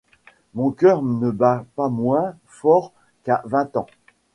Mon coeur ne bat pas moins fort qu'à vingt ans.